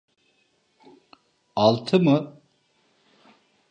Altı mı?